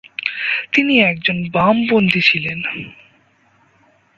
তিনি একজন বামপন্থী ছিলেন।